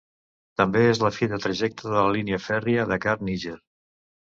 També és la fi de trajecte de la línia fèrria Dakar-Níger.